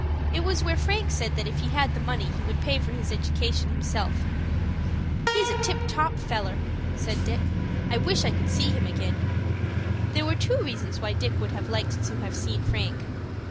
It was where Frank said that if he had the money he would pay for his education himself. "He's a tip top feller," said Dick. "I wish I could see him ag'in." There were two reasons why Dick would like to have seen Frank.